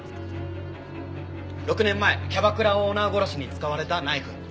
６年前キャバクラオーナー殺しに使われたナイフ。